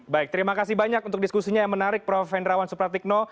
baik terima kasih banyak untuk diskusinya yang menarik prof hendrawan supratikno